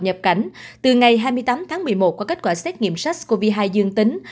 nhập cảnh từ ngày hai mươi tám tháng một mươi một qua kết quả xét nghiệm sars cov hai dương tính